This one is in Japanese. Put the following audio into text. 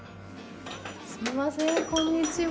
すみませんこんにちは。